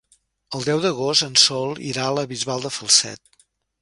El deu d'agost en Sol irà a la Bisbal de Falset.